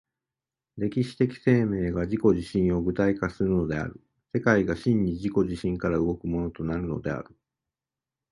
歴史的生命が自己自身を具体化するのである、世界が真に自己自身から動くものとなるのである。